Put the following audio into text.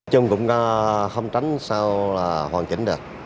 chúng cũng không tránh sao hoàn chỉnh được